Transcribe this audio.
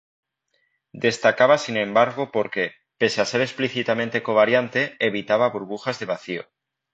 Destacaba sin embargo porque, pese a ser explícitamente covariante, evitaba burbujas de vacío.